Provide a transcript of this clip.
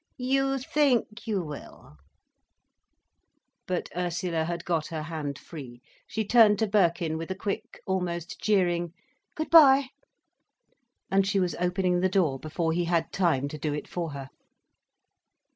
"You think you will—" But Ursula had got her hand free. She turned to Birkin with a quick, almost jeering: "Good bye," and she was opening the door before he had time to do it for her.